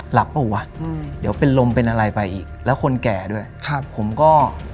หลับหรอว่าเดี๋ยวเป็นลมเป็นอะไรไปและคนแก่ด้วยครับผมก็